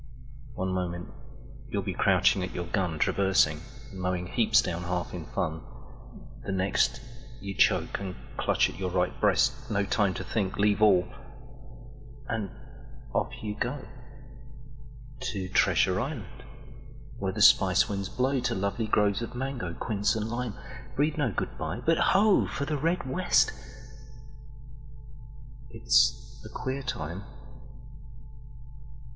One moment you'll be crouching at your gunTraversing, mowing heaps down half in fun:The next, you choke and clutch at your right breast—No time to think—leave all—and off you go…To Treasure Island where the Spice winds blow, To lovely groves of mango, quince and lime—Breathe no good bye, but ho, for the Red West! It's a queer time.